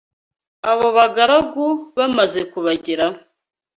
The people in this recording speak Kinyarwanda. Abo bagaragu bamaze kubageraho